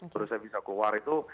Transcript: terus saya bisa keluar itu